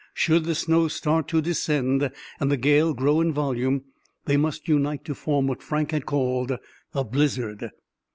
Should the snow start to descend, and the gale grow in volume, they must unite to form what Frank had called a blizzard.